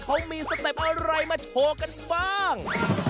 เขามีสเต็ปอะไรมาโชว์กันบ้าง